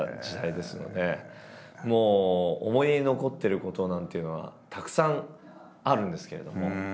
もう思い出に残ってることなんていうのはたくさんあるんですけれども。